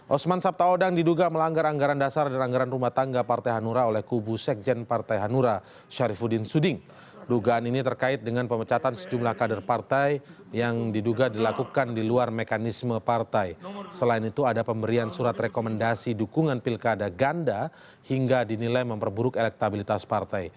usman sabtaodang diduga melanggar anggaran dasar dan anggaran rumah tangga partai hanura